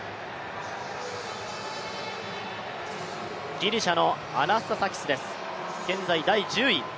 ギリシャのアナスタサキスです、現在第１０位。